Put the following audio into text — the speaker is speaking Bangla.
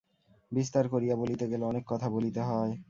বিস্তার করিয়া বলিতে গেলে অনেক কথা বলিতে হয়।